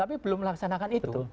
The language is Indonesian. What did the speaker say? tapi belum melaksanakan itu